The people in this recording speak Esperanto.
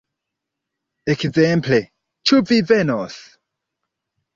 Ekzemple "Ĉu vi venos?